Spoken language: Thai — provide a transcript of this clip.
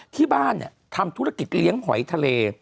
ที่บ้านทำธุรกิจเลี้ยงหอยทะเล